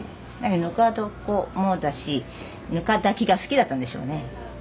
ぬか床もだしぬか炊きが好きだったんでしょうね。